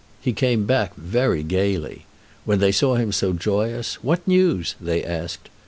He came back very gayly; when they saw him so joyous, "What news?" they asked.